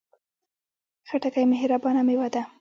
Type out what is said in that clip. خټکی مهربانه میوه ده.